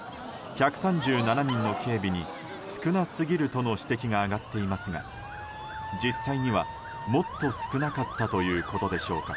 １３７人の警備に少なすぎるとの指摘が上がっていますが実際には、もっと少なかったということでしょうか。